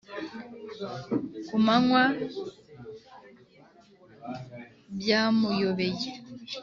ku munwa byamuyobeye